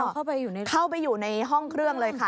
คุณพ่อเข้าไปอยู่ในห้องเครื่องเลยค่ะ